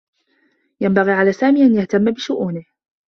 ينبغي على سامي أن يهتمّ بشؤونه.